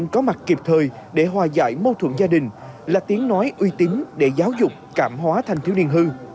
có mặt kịp thời để hòa giải mâu thuẫn gia đình là tiếng nói uy tín để giáo dục cảm hóa thanh thiếu niên hư